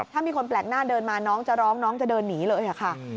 ถ้ามีคนแปลกหน้าเดินมาน้องจะร้องน้องจะเดินหนีเลยค่ะ